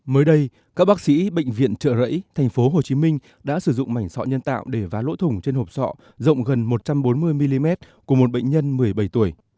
mới đây các bác sĩ bệnh viện trợ rẫy tp hcm đã sử dụng mảnh sọ nhân tạo để vá lỗ thủng trên hộp sọ rộng gần một trăm bốn mươi mm của một bệnh nhân một mươi bảy tuổi